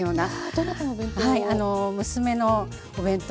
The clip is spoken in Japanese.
どなたのお弁当を？